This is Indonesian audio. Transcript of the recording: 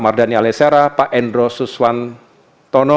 mardani alisera pak endro suswantono